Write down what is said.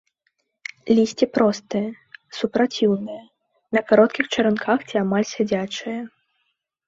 Лісце простае, супраціўнае, на кароткіх чаранках ці амаль сядзячае.